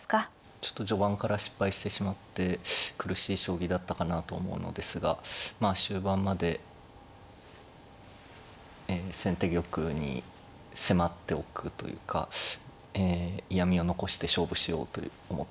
ちょっと序盤から失敗してしまって苦しい将棋だったかなと思うのですがまあ終盤まで先手玉に迫っておくというかえ嫌みを残して勝負しようと思ってやっていました。